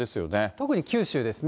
特に九州ですね。